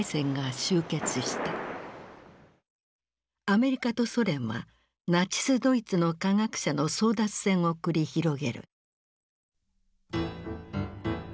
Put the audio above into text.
アメリカとソ連はナチスドイツの科学者の争奪戦を繰り広げる。